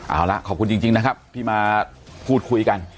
เอาละขอบคุณจริงนะครับที่มาพูดคุยกัน